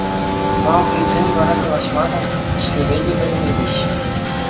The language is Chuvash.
Мауглисем вара калаҫма та, ӗҫлеме те вӗренеймеҫҫӗ.